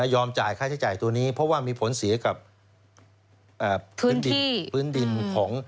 จ่ายค่าใช้จ่ายตัวนี้เพราะว่ามีผลเสียกับพื้นดินพื้นดินของ